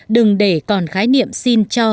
đừng để còn khái niệm xin cho